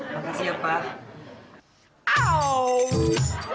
makasih ya pak